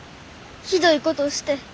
ひどいことして。